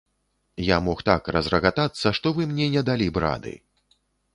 Я мог так разрагатацца, што вы мне не далі б рады.